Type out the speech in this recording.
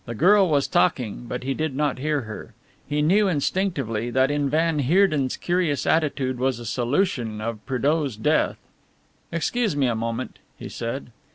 The girl was talking, but he did not hear her. He knew instinctively that in van Heerden's curious attitude was a solution of Prédeaux's death. "Excuse me a moment," he said.